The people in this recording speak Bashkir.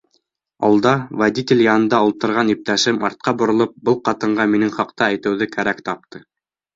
Алда, водитель янында ултырған иптәшем, артҡа боролоп, был ҡатынға минең хаҡта әйтеүҙе кәрәк тапты: